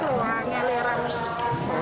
kami kemudian diberi